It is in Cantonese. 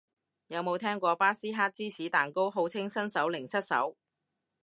有冇聽過巴斯克芝士蛋糕，號稱新手零失手